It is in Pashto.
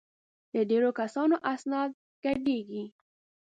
د ډېرو کسانو اسناد ګډېږي.